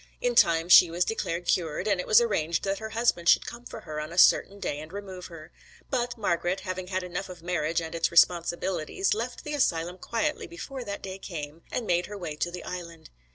In time she was declared cured, and it was arranged that her husband should come for her on a certain day and remove her; but Margret, having had enough of marriage and its responsibilities, left the asylum quietly before that day came and made her way to the Island.